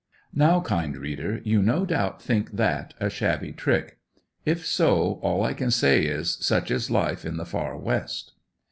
Now kind reader you no doubt think that a shabby trick. If so, all I can say is "such is life in the far west."